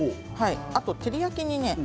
あと照り焼きに。